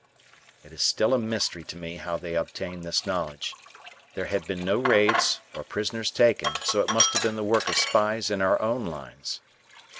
It is still a mystery to me how they obtained this knowledge. There had been no raids or prisoners taken, so it must have been the work of spies in our own lines.